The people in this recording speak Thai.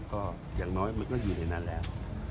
ก็อย่างน้อยมันก็อยู่ในนั้นแล้ว